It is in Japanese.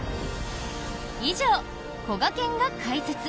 以上、こがけんが解説！